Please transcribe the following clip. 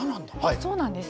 そうなんです。